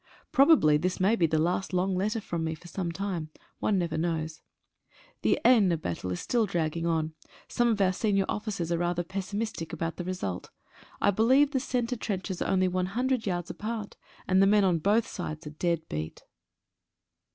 Probably this may be the last long letter from me for sometime — one never knows. The Aisne battle is still dragging on — some of our senior officers are rather pessimistic about the result. T believe the centre trenches are only one hundred yards apart, and the men on both sides are dead beat.